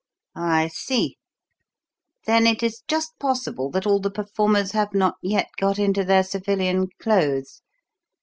"I see. Then it is just possible that all the performers have not yet got into their civilian clothes.